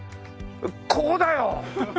ここだよ！